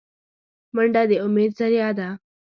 منډه د امید ذریعه ده